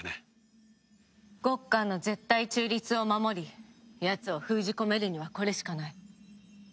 ゴッカンの絶対中立を守りやつを封じ込めるにはこれしかない。